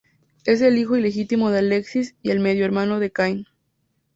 Es el hijo ilegítimo de Alexis y el medio hermano de Caín.